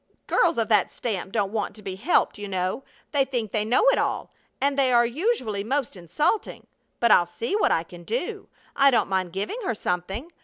Girls of that stamp don't want to be helped, you know. They think they know it all, and they are usually most insulting. But I'll see what I can do. I don't mind giving her something.